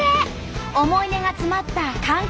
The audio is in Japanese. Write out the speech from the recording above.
思い出が詰まったかん